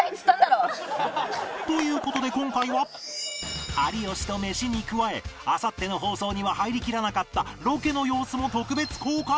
という事で今回は有吉とメシに加えあさっての放送には入りきらなかったロケの様子も特別公開